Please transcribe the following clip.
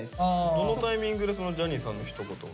どのタイミングでジャニーさんのひと言が？